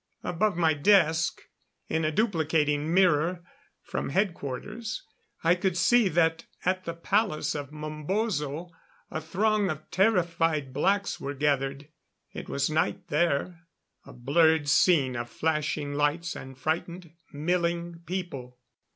Above my desk, in a duplicating mirror from Headquarters, I could see that at the palace of Mombozo a throng of terrified blacks were gathered. It was night there a blurred scene of flashing lights and frightened, milling people.